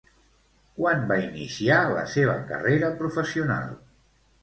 Quan va iniciar la seva carrera professional?